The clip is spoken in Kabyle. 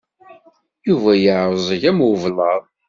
Yuba yeεẓeg am ublaḍ.